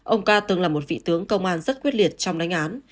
ông ca từng là một vị tướng công an rất quyết liệt trong đánh án